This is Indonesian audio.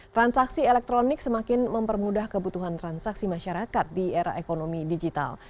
transaksi elektronik semakin mempermudah kebutuhan transaksi masyarakat di era ekonomi digital